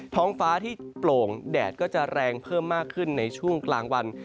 ท้องฟ้าที่โปร่งแดดก็จะแรงเพิ่มมากขึ้นในช่วงกลางวัน